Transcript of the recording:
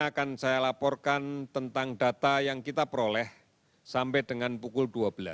akan saya laporkan tentang data yang kita peroleh sampai dengan pukul dua belas